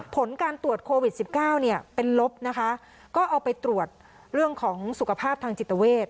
ผลการตรวจโควิดสิบเก้าเนี่ยเป็นลบนะคะก็เอาไปตรวจเรื่องของสุขภาพทางจิตเวท